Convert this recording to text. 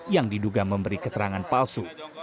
yang diduga memberi keterangan palsu